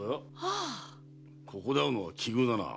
ここで会うのは奇遇だなあ。